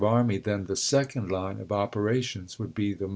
armv, then the second line of operations would be the Vol.